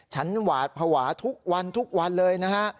หวาดภาวะทุกวันทุกวันเลยนะฮะ